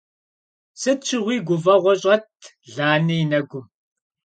Сыт щыгъуи гуфӀэгъуэ щӀэтт Ланэ и нэгум.